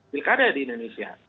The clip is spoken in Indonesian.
pilkada di indonesia